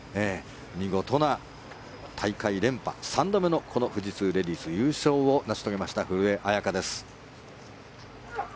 見事な大会連覇３度目の富士通レディース優勝を成し遂げました古江彩佳です。